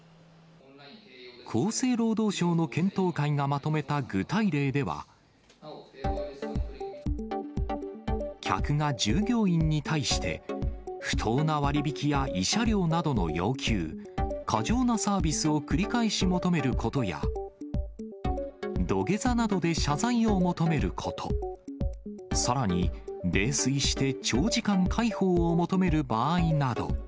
厚生労働省の検討会がまとめた具体例では、客が従業員に対して、不当な割引や慰謝料などの要求、過剰なサービスを繰り返し求めることや、土下座などで謝罪を求めること、さらに、泥酔して長時間介抱を求める場合など。